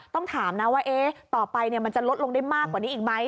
ต้องถามนะว่าต่อไปมันจะลดลงได้มากกว่านี้อีกไหม